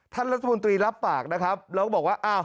ท่านรัฐมนตรีรับปากครับแล้วบอกว่า